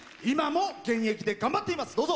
今も現役で頑張っています。